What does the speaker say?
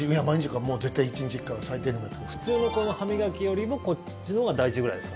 普通の歯磨きよりもこっちのほうが大事ぐらいですか？